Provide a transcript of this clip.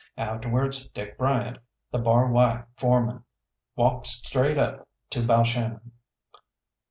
Afterwards Dick Bryant, the Bar Y foreman, walked straight up to Balshannon.